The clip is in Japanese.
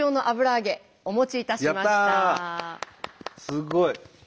すごい！